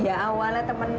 ya awalnya temenan